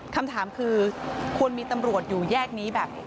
คำถามคือควรมีตำรวจอยู่แยกนี้แบบ